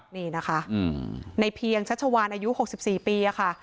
นี่นะคะในเพียงชัชวานอายุ๖๔ปีค่ะ